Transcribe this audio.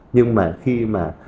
nhưng mà khi mà